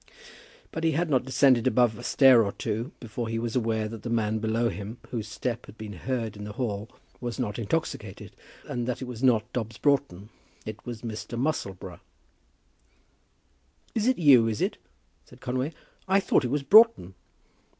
But he had not descended above a stair or two before he was aware that the man below him, whose step had been heard in the hall, was not intoxicated, and that he was not Dobbs Broughton. It was Mr. Musselboro. "It is you, is it?" said Conway. "I thought it was Broughton."